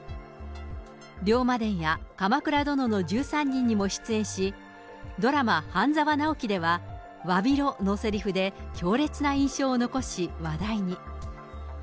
龍馬伝や鎌倉殿の１３人にも出演し、ドラマ、半沢直樹では、わびろのせりふで強烈な印象を残し、話題に。